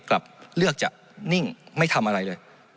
กลับเลือกจะนิ่งไม่ทำอะไรเลย